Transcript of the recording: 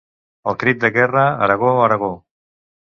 El crit de guerra Aragó, Aragó!